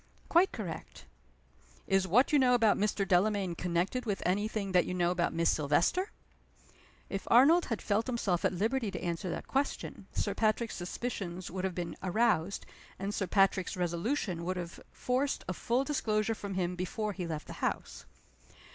"Quite correct." "Is what you know about Mr. Delamayn connected with any thing that you know about Miss Silvester?" If Arnold had felt himself at liberty to answer that question, Sir Patrick's suspicions would have been aroused, and Sir Patrick's resolution would have forced a full disclosure from him before he left the house.